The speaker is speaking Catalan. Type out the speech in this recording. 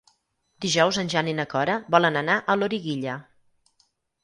Dijous en Jan i na Cora volen anar a Loriguilla.